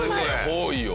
多いよ。